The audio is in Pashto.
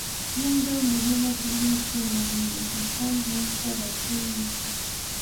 موږ دا مهمه بولو چې محمود الحسن هند ته را ستون نه شي.